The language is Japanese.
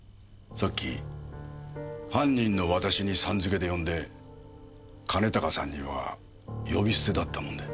さっき犯人の私に「さん」付けで呼んで兼高さんには呼び捨てだったもので。